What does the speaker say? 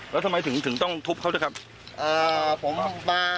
แล้วทำไมถึงต้องทุบเขาด้วยครับผมมาเรื่องที่ว่าเขาทำร้ายน้องผมครับ